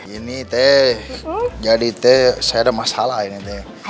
ini teh jadi teh saya ada masalah ini teh